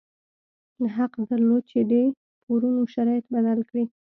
حق درلود چې د پورونو شرایط بدل کړي.